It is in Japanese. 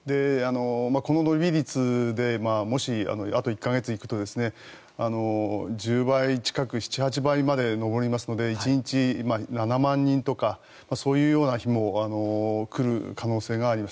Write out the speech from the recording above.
この伸び率でもしあと１か月行くと１０倍近く、７８倍にまで上りますので１日７万人とかそういうような日も来る可能性があります。